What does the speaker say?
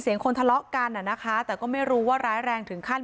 คนทะเลาะกันอ่ะนะคะแต่ก็ไม่รู้ว่าร้ายแรงถึงขั้น